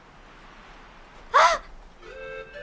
あっ！